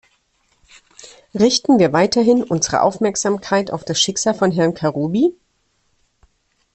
Richten wir weiterhin unsere Aufmerksamkeit auf das Schicksal von Herrn Karoubi?